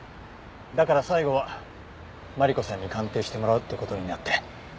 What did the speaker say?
だから最後はマリコさんに鑑定してもらうって事になって。